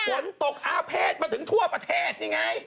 ผลประเภทมาถึงทั่วประเทศนี่ไง